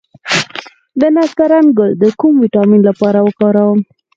د نسترن ګل د کوم ویټامین لپاره وکاروم؟